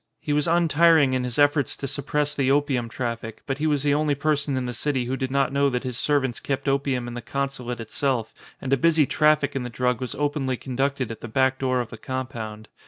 He was un tiring in his efforts to suppress the opium traffic, but he was the only person in the city who did not know that his servants kept opium in the consulate itself, and a busy traffic in the drug was openly conducted at the back door of the compound.